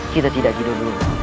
kita tidak tidur dulu